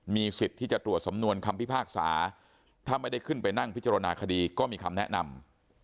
มีสิทธิ์ที่จะตรวจสำนวนคำพิพากษาถ้าไม่ได้ขึ้นไปนั่งพิจารณาคดีก็มีคำแนะนำ